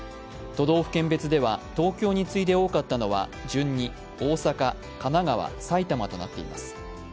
都道府県別では東京に次いで多かったのは、順に大阪、神奈川、埼玉となっています。